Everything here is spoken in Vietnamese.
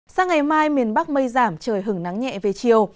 sang ngày mai miền bắc mây giảm trời hứng nắng nhẹ về chiều